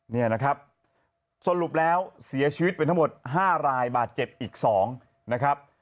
นี่นะครับสรุปแล้วเสียชีวิตเป็นทั้งหมด๕รายบาดเจ็บอีก๒นะครับ